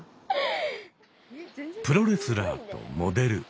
プロレスラーとモデル。